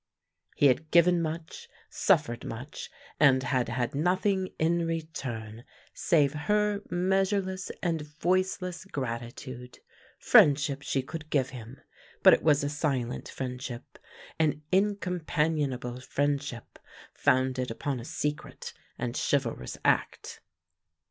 He had given much, suffered much, and had had nothing in return save her measureless and voiceless gratitude. Friendship she could give him; but it was a silent friendship, an incompanionable friendship, founded upon a secret and chivalrous act.